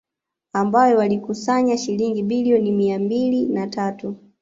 Ambayo walikusanya shilingi bilioni mia mbili na tatu